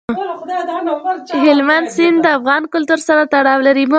هلمند سیند د افغان کلتور سره تړاو لري.